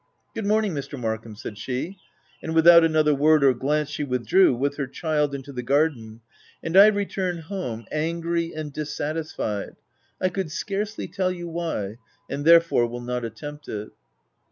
" Good morning, Mr. Markham," said she; and without another word or glance, she with drew, with her child into the garden ; and I returned home, angry and dissatisfied — I could scarcely tell you why — and therefore will not attempt it.